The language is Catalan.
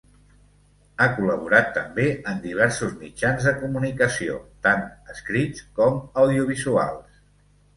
Ha col·laborat, també, en diversos mitjans de comunicació, tants escrits com audiovisuals.